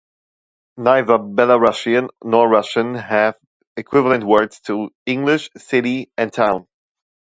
Neither Belarusian nor Russian have equivalent words to English "city" and "town".